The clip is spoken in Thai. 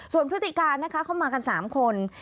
ส่วนพฤติการนะคะเข้ามากัน๓คน